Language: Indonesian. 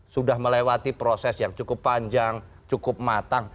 sudah melewati proses yang cukup panjang cukup matang